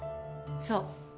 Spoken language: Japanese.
そう。